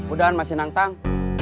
udah masih nang tang